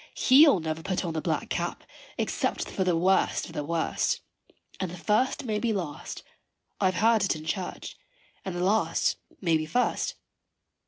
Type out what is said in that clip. He'll never put on the black cap except for the worst of the worst, And the first may be last I have heard it in church and the last may be first.